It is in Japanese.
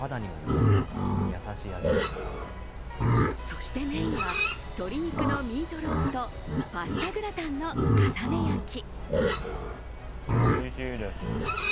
そしてメインは、鶏肉のミートローフとパスタグラタンの重ね焼き。